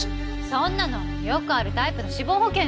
そんなのよくあるタイプの死亡保険でしょ。